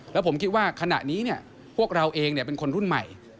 แล้วผมคิดว่าขณะนี้พวกเราเองเป็นคนรุ่นใหม่